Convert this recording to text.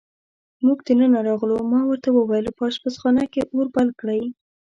موږ دننه راغلو، ما ورته وویل: په اشپزخانه کې اور بل کړئ.